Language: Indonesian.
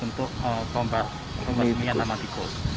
untuk pembahas minyak sama tikus